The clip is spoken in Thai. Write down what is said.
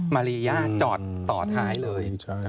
มารียาจอดต่อท้ายเลย